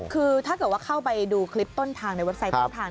คือถ้าเกิดว่าเข้าไปดูคลิปต้นทางในเว็บไซต์ต้นทาง